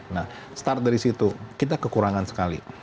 nah start dari situ kita kekurangan sekali